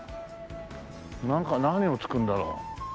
なんか何を造るんだろう？